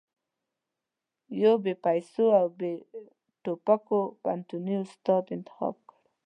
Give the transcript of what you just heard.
يو بې پيسو او بې ټوپکو پوهنتوني استاد انتخاب کړ.